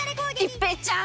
一平ちゃーん！